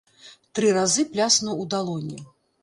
Тры разы пляснуў у далоні.